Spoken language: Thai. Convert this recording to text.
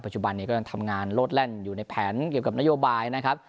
จุบันนี้ก็ยังทำงานโลดแล่นอยู่ในแผนเกี่ยวกับนโยบายนะครับ